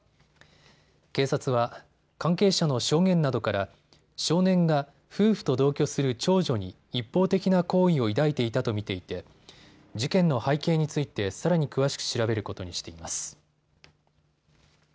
警察は関係者の証言などから少年が夫婦と同居する長女に一方的な好意を抱いていたと見ていて事件の背景についてさらに詳しく調べることにしています。